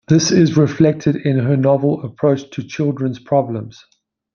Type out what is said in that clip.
This is reflected in her novel approach to children's problems.